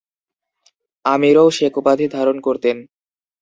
আমিরও শেখ উপাধি ধারণ করতেন।